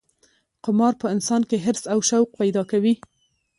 قمار په انسان کې حرص او شوق پیدا کوي.